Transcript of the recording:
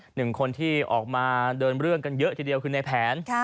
หนึ่งคนที่ออกมาเดินเรื่องกันเยอะทีเดียวคือในแผน